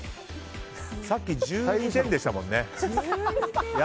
さっき１２点でしたもんね。